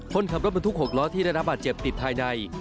คนขับรถบรรทุก๖ล้อที่ได้รับบาดเจ็บติดภายใน